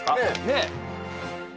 ねえ。